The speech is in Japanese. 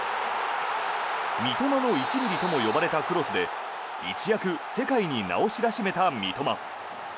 三笘の１ｍｍとも呼ばれたクロスで一躍、世界に名を知らしめた三笘。